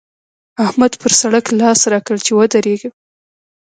احمد پر سړک لاس راکړ چې ودرېږه!